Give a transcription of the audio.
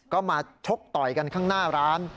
ก็มาชกต่อยกันข้างหน้าร้าน